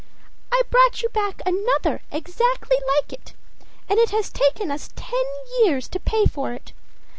â âI brought you back another exactly like it. And it has taken us ten years to pay for it.